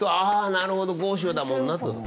「ああなるほど江州だもんな」と。